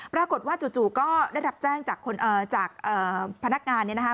ปรากฏว่าจู่ก็ได้รับแจ้งจากพนักงานเนี่ยนะคะ